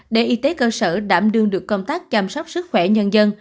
để y tế cơ sở đảm đương được công tác chăm sóc sức khỏe nhân dân